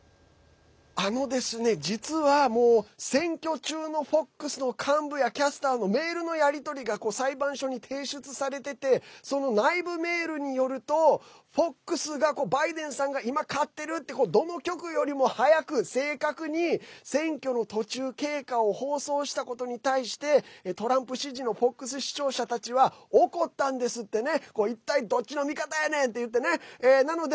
実は、選挙中のＦＯＸの幹部やキャスターのメールのやり取りが裁判所に提出されててその内部メールによるとＦＯＸがバイデンさんが勝ってるってどの局よりも正確に選挙の途中経過を放送したことに対してトランプ支持のＦＯＸ視聴者たちは怒ったんですってね。